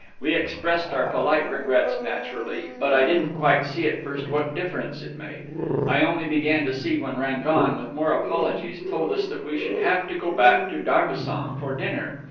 We expressed our polite regrets, naturally; but I didn't quite see at first what difference it made. I only began to see when Rangon, with more apologies, told us that we should have to go back to Darbisson for dinner.